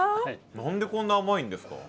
何でこんな甘いんですか？